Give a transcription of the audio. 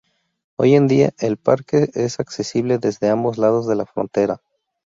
Hoy en día el parque es accesible desde ambos lados de la frontera.